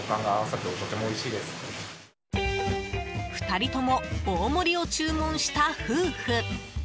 ２人とも大盛りを注文した夫婦。